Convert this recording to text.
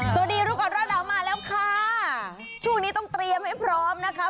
สวัสดีรู้ก่อนร้อนหนาวมาแล้วค่ะช่วงนี้ต้องเตรียมให้พร้อมนะคะ